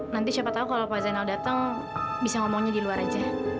nanti siapa tahu kalau pak zainal datang bisa ngomongnya di luar aja